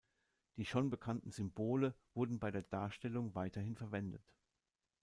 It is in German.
Die schon bekannten Symbole wurden bei der Darstellung weiterhin verwendet.